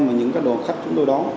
mà những đồ khách chúng tôi đón